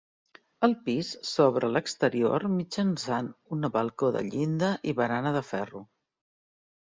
El pis s'obre a l'exterior mitjançant un balcó de llinda i barana de ferro.